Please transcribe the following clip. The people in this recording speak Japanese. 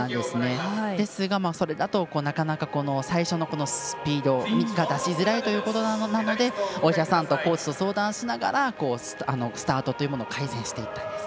ですが、それだと最初のスピードが出しづらいということなのでお医者さんとコーチと相談しながらスタートというものを改善していったんです。